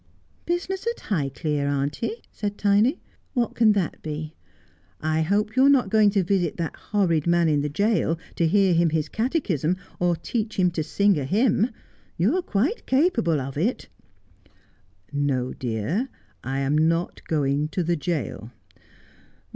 ' Business at Highclere, auntie !' said Tiny ;' what can that be 1 I hope you are not going to visit that horrid man in the jail to hear him his catechism, or to teach him to sing a hymn. You are quite capable of it.' ' No, dear, I am not going to the jail.'